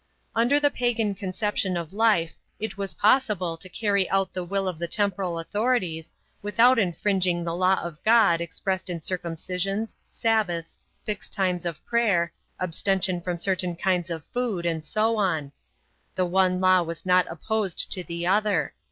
Under the pagan conception of life it was possible to carry out the will of the temporal authorities, without infringing the law of God expressed in circumcisions, Sabbaths, fixed times of prayer, abstention from certain kinds of food, and so on. The one law was not opposed to the other.